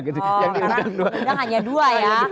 karena sekarang hanya dua ya